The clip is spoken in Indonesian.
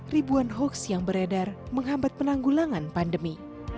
ribuan hoaks yang beredar menghambat penanggulangan pandemi